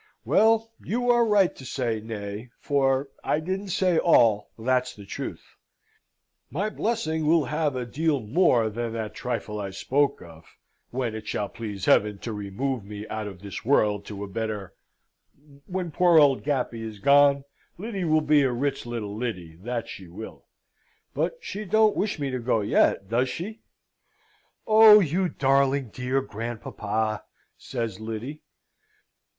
"Well, you are right to say nay, for I didn't say all, that's the truth. My Blessing will have a deal more than that trifle I spoke of, when it shall please Heaven to remove me out of this world to a better when poor old Gappy is gone, Lyddy will be a rich little Lyddy, that she will. But she don't wish me to go yet, does she?" "Oh, you darling dear grandpapa!" says Lyddy.